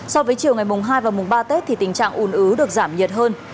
so với chiều ngày mùng hai và mùng ba tết thì tình trạng ùn ứ được giảm nhiệt hơn